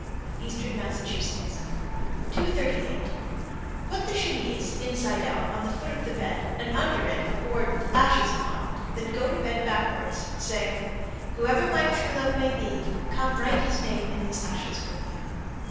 Eastern Massachusetts. 238. Put the chemise, inside out, on the foot of the bed and under it a board with ashes upon it; then go to bed backwards, saying, Whoever my true love may be, Come write his name in these ashes for me.